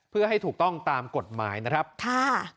เพื่อให้ถูกต้องตามกฎหมายนะครับค่ะ